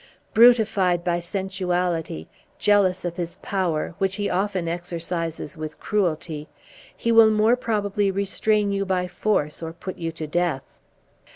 Brutified by sensuality, jealous of his power, which he often exercises with cruelty, he will more probably restrain you by force or put you to death."